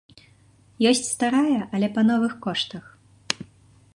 Ёсць старая, але па новых коштах.